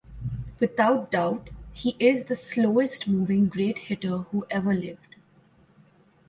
Without doubt, he is the slowest moving great hitter who ever lived.